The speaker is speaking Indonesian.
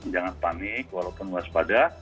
jangan panik walaupun waspada